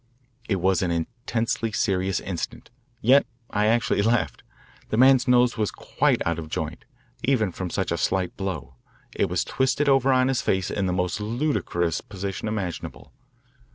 It was an intensely serious instant, yet I actually laughed. The man's nose was quite out of joint, even from such a slight blow. It was twisted over on his face in the most ludicrous position imaginable.